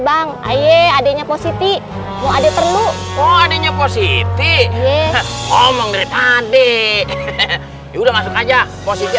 bang ayo adeknya positi mau ada perlu adeknya positi ngomong dari tadi udah masuk aja posisi